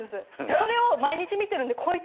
それを毎日見てるんで。と思って。